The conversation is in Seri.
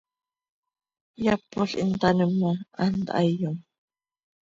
Yapol hin taanim ma, hant hayom.